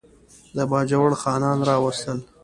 د باجوړ خانان راوستل.